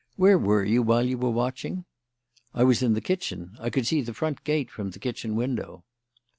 Where were you while you were watching?" "I was in the kitchen. I could see the front gate from the kitchen window."